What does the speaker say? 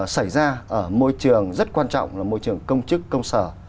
xảy ra ở môi trường rất quan trọng là môi trường công chức công sở